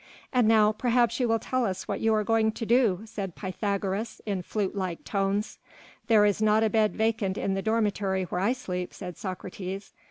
"And now, perhaps you will tell us what you are going to do," said Pythagoras in flute like tones. "There is not a bed vacant in the dormitory where I sleep," said Socrates.